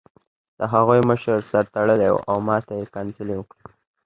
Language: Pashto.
د هغوی مشر سر تړلی و او ماته یې کنځلې وکړې